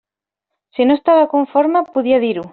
Si no estava conforme, podia dir-ho.